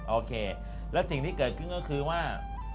โอเคและสิ่งที่เกิดขึ้นก็คือว่า